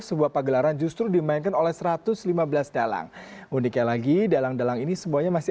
sebuah pagelaran justru dimainkan oleh satu ratus lima belas dalang uniknya lagi dalang dalang ini semuanya masih